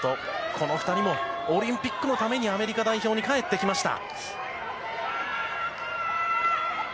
この２人もオリンピックのためにアメリカ代表に帰ってきました。